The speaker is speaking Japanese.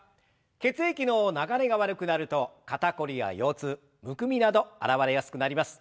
血液の流れが悪くなると肩凝りや腰痛むくみなど現れやすくなります。